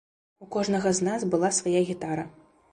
У кожнага з нас была свая гітара.